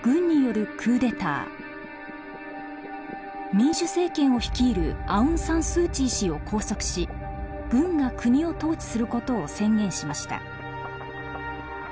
民主政権を率いるアウン・サン・スー・チー氏を拘束し軍が国を統治することを宣言しました。